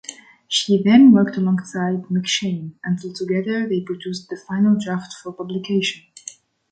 She then worked alongside McShane until together they produced the final draft for publication.